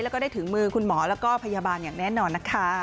แล้วก็ได้ถึงมือคุณหมอแล้วก็พยาบาลอย่างแน่นอนนะคะ